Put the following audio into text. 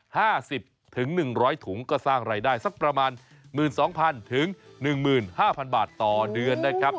๕๐ถึง๑๐๐ถุงก็สร้างรายได้สักประมาณ๑๒๐๐๐ถึง๑๕๐๐๐บาทต่อเดือนได้ครับ